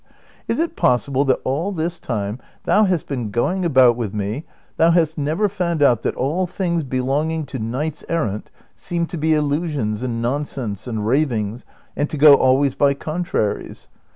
Is it possible that all this time thou hast been going about with me thou hast never found out that all things belonging to knights errant seem to be illusions and nonsense and ravings, and to go always by contraries